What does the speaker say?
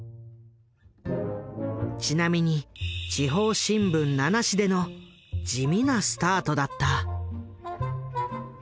ちなみに地方新聞７紙での地味なスタートだった。